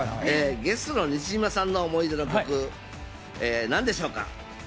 ゲストの西島さんの思い出の曲、なんでしょうか？